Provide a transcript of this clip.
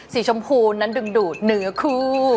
สีชมพูนั้นดึงดูดเหนือคู่